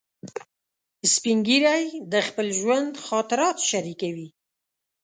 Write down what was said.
سپین ږیری د خپل ژوند خاطرات شریکوي